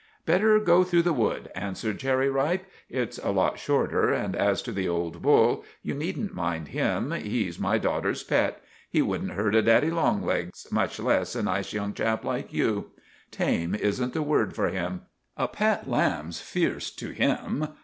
"Better go through the wood," answered Cherry Ripe. "It's a lot shorter, and as to the old bull, you needn't mind him. He's my daughter's pet. He wouldn't hurt a daddy long legs, much less a nice young chap like you. Tame isn't the word for him. A pet lamb's fierce to him.